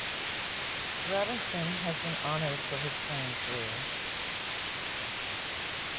Robinson has been honoured for his playing career.